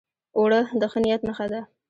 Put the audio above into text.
اوړه د ښه نیت نښه ده